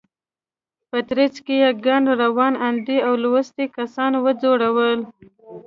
په ترڅ کې یې ګڼ روڼ اندي او لوستي کسان وځورول.